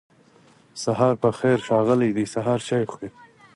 سهار پخير ښاغلی دی سهار چای خوری